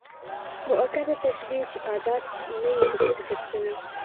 مؤکده تشبيه، چي ادات نه يي پکښي ذکر سوي.